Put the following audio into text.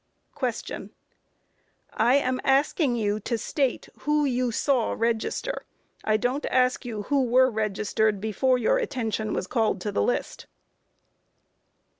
Q. I am asking you to state who you saw register. I don't ask you who were registered before your attention was called to the list.